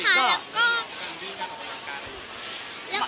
ใช่ค่ะแล้วก็